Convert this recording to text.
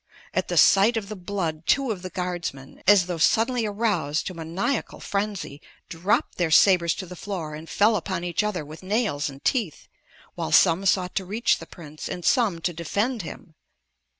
At the sight of the blood two of the guardsmen, as though suddenly aroused to maniacal frenzy, dropped their sabers to the floor and fell upon each other with nails and teeth, while some sought to reach the prince and some to defend him.